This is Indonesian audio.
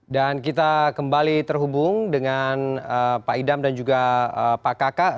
dan kita kembali terhubung dengan pak idam dan juga pak kaka